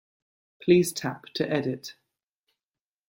Please tap to edit.